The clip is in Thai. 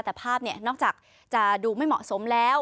แต่ภาพนอกจากจะดูไม่เหมาะสมแล้ว